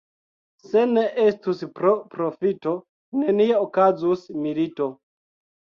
Se ne estus pro profito, nenie okazus milito.